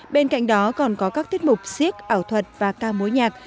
bên cạnh đó còn có các tiết mục siếc ảo thuật và ca mối nhạc